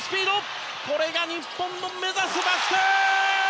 これが日本の目指すバスケ！